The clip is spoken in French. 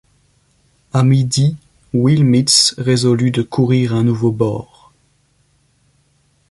À midi, Will Mitz résolut de courir un nouveau bord.